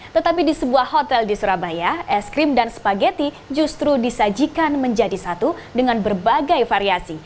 tetapi di sebuah hotel di surabaya es krim dan spaghetti justru disajikan menjadi satu dengan berbagai variasi